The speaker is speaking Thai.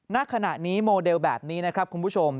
ณขณะนี้โมเดลแบบนี้นะครับคุณผู้ชม